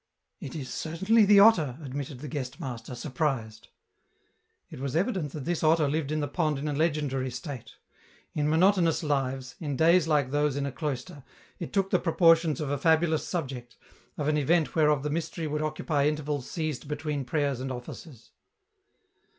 " It is certainly the otter," admitted the guest master, surprised. It was evident that this otter lived in the pond in a legend ary state. In monotonous lives, in days like those in a cloister, it took the proportions of a fabulous subject, of an event whereof the mystery would occupy intervals seized between prayers and offices.